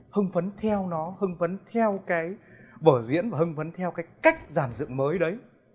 hưng phấn theo nó hưng vấn theo cái vở diễn và hưng vấn theo cái cách giản dựng mới đấy